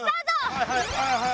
はいはいはいはい。